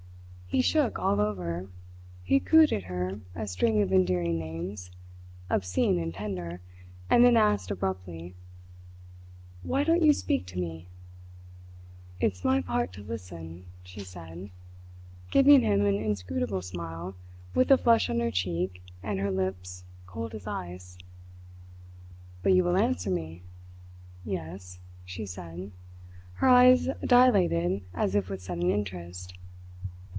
He shook all over; he cooed at her a string of endearing names, obscene and tender, and then asked abruptly: "Why don't you speak to me?" "It's my part to listen," she said, giving him an inscrutable smile, with a flush on her cheek and her lips cold as ice. "But you will answer me?" "Yes," she said, her eyes dilated as if with sudden interest.